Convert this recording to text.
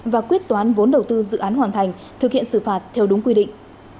và quyết toán vốn đầu tư dự án hoàn thành thực hiện xử phạt theo đúng quy định